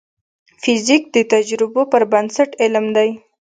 فزیک د تجربو پر بنسټ علم دی.